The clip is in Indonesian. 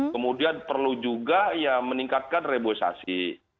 kemudian perlu juga ya meningkatkan reboisasi